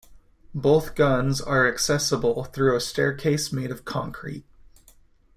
Both guns are accessible through a staircase made of concrete.